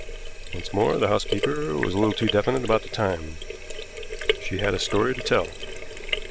Once more, the housekeeper was a little too definite about the time. She had a story to tell.